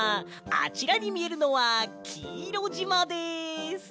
あちらにみえるのはきいろじまです！